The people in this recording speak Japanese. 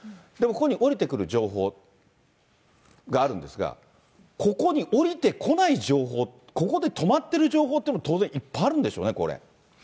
でもここに下りてくる情報があるんですが、ここに下りてこない情報、ここで止まってる情報っていうのも当然いっぱいあるんでしょうね、これ。